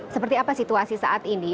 seperti apa situasi saat ini